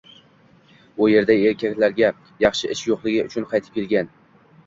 u yerda erkaklarga yaxshi ish yo‘qligi uchun qaytib kelgan